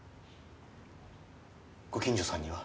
ご近所さんには？